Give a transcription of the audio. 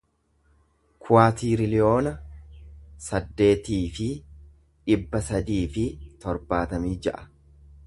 kuwaatiriliyoona saddeetii fi dhibba sadii fi torbaatamii ja'a